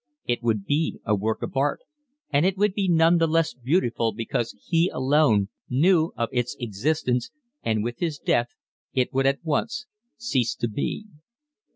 It would be a work of art, and it would be none the less beautiful because he alone knew of its existence, and with his death it would at once cease to be.